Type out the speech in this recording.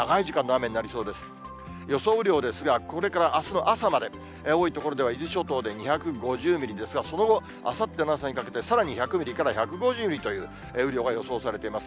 雨量ですが、これからあすの朝まで、多い所では伊豆諸島で２５０ミリですが、その後、あさっての朝にかけてさらに１００ミリから１５０ミリという雨量が予想されています。